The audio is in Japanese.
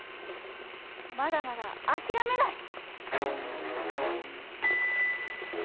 まだまだあきらめない！